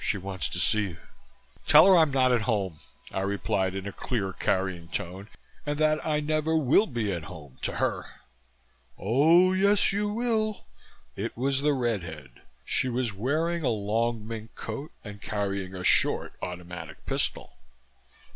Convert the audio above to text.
She wants to see you." "Tell her I am not at home," I replied in a clear carrying tone. "And that I never will be at home to her." "Oh, yes, you will." It was the red head. She was wearing a long mink coat and carrying a short automatic pistol.